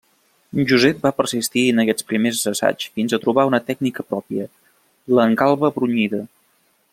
Josep va persistir en aquests primers assaigs fins a trobar una tècnica pròpia: l'engalba brunyida.